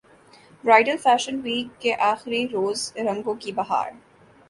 bridal fashion week کے اخری روز رنگوں کی بہار